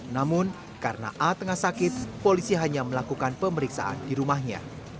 namun karena a tengah sakit polisi hanya melakukan pemeriksaan di rumahnya